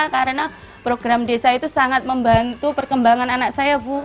karena program desa itu sangat membantu perkembangan anak saya